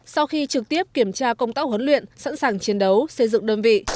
sau khi trực tiếp kiểm tra công tác huấn luyện sẵn sàng chiến đấu xây dựng đơn vị